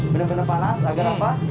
bener bener panas agar apa